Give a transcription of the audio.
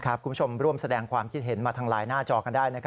คุณผู้ชมร่วมแสดงความคิดเห็นมาทางไลน์หน้าจอกันได้